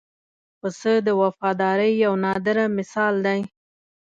پسه د وفادارۍ یو نادره مثال دی.